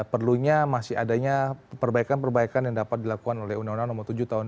perlunya masih adanya perbaikan perbaikan yang dapat dilakukan oleh undang undang nomor tujuh tahun dua ribu